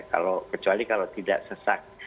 kalau kecuali kalau tidak sesak